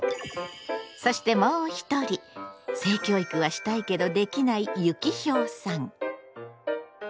そしてもう一人性教育はしたいけどできないユキヒョウさん。